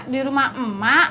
di rumah emak